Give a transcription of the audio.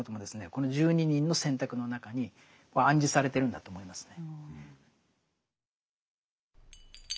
この十二人の選択の中には暗示されてるんだと思いますね。